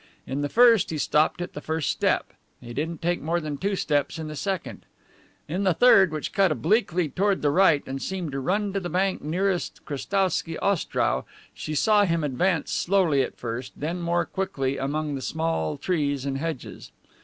In the first he stopped at the first step. He didn't take more than two steps in the second. In the third, which cut obliquely toward the right and seemed to run to the bank nearest Krestowsky Ostrow, she saw him advance slowly at first, then more quickly among the small trees and hedges.